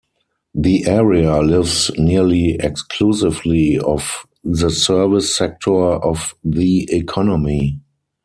The area lives nearly exclusively off the service sector of the economy.